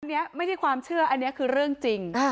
อันนี้ไม่ใช่ความเชื่ออันนี้คือเรื่องจริง